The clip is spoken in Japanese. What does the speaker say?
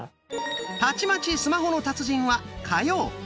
「たちまちスマホの達人」は火曜。